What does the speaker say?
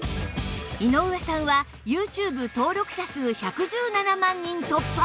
井上さんは ＹｏｕＴｕｂｅ 登録者数１１７万人突破！